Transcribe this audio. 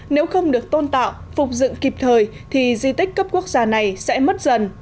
nếu không được tôn tạo phục dựng kịp thời thì di tích cấp quốc gia này sẽ mất dần